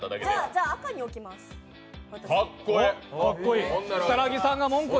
じゃあ、赤に置きます、私。